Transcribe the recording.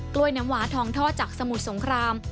ล้วยน้ำหวาทองท่อจากสมุทรสงคราม